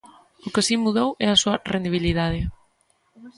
O que si mudou é a súa rendibilidade.